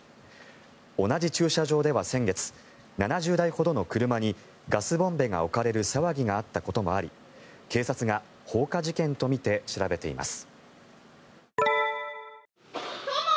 同じ駐車場では先月７０台ほどの車にガスボンベが置かれる騒ぎがあったこともあり警察が放火事件とみて調べています。